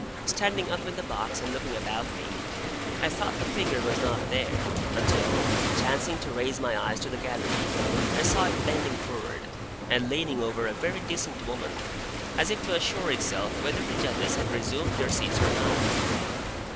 Standing up in the box and looking about me, I thought the figure was not there, until, chancing to raise my eyes to the gallery, I saw it bending forward, and leaning over a very decent woman, as if to assure itself whether the Judges had resumed their seats or not.